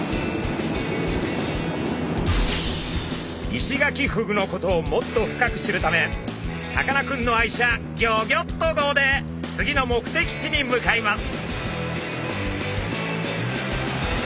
イシガキフグのことをもっと深く知るためさかなクンの愛車ギョギョッと号で次の目的地に向かいます。